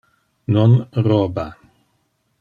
Non roba.